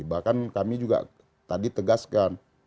bahkan kami juga tadi tegaskan